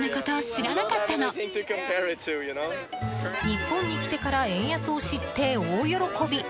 日本に来てから円安を知って大喜び。